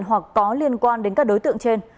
hoặc có liên quan đến các đối tượng trên